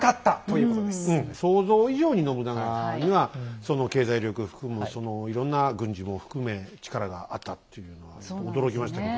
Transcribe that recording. うん想像以上に信長には経済力含むそのいろんな軍事も含め力があったっていうのは驚きましたけど。